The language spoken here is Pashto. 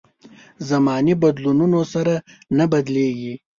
زمانې بدلونونو سره نه بدلېږي.